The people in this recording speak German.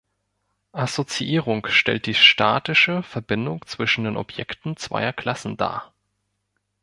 Assoziierung stellt die statische Verbindung zwischen den Objekten zweier Klassen dar.